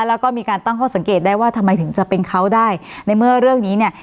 แล้วก็มีการตั้งข้อสังเกตได้ว่าทำไมถึงจะเป็นเขาได้ในเมื่อเรื่องนี้เนี่ย